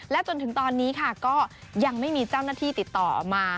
จนถึงตอนนี้ค่ะก็ยังไม่มีเจ้าหน้าที่ติดต่อมา